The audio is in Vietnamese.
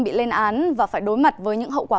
bị lên án và phải đối mặt với những hậu quả